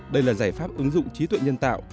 đây là giải pháp ứng dụng trí tuệ nhân tạo